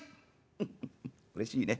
「フフフうれしいね。